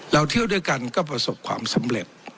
เที่ยวด้วยกันก็ประสบความสำเร็จ